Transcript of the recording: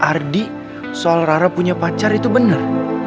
ardi soal rara punya pacar itu benar